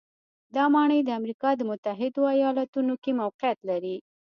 دا ماڼۍ د امریکا د متحدو ایالتونو کې موقعیت لري.